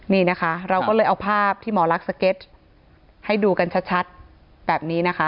นี่นะคะเราก็เลยเอาภาพที่หมอลักษณ์สเก็ตให้ดูกันชัดแบบนี้นะคะ